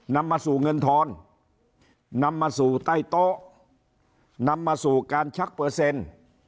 นำมาสู่เงินทอนนำมาสู่ใต้โต๊ะนำมาสู่การชักเปอร์เซ็นต์